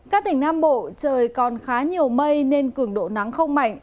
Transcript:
các tỉnh nam bộ trời còn khá nhiều mây nên cường độ nắng không mạnh